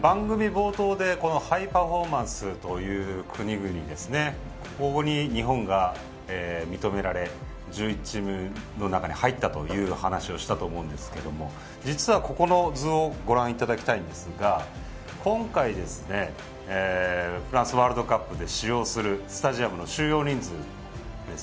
番組冒頭でハイパフォーマンスという国々の中に、日本が認められ１１チームの中に入ったという話をしたと思うんですが実はこの図をご覧いただきたいんですが今回、フランスワールドカップで使用するスタジアムの収容人数です。